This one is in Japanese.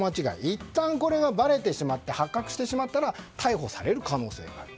いったん、これがばれてしまって発覚してしまったら逮捕される可能性がある。